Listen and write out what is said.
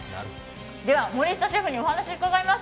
では森下シェフにお話を伺います。